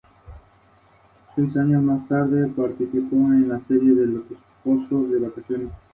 Abandonó su educación formal y empezó a trabajar en una fábrica local de tabaco.